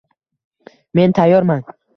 — Men tayyorman.